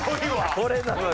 これなのよ。